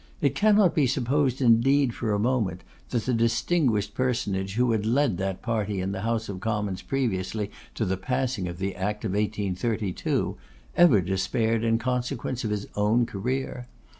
It cannot be supposed indeed for a moment, that the distinguished personage who had led that party in the House of Commons previously to the passing of the act of 1832, ever despaired in consequence of his own career.